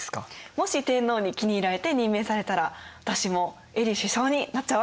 もし天皇に気に入られて任命されたら私もえり首相になっちゃうわけです。